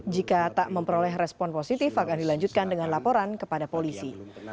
jika tak memperoleh respon positif akan dilanjutkan dengan laporan kepada polisi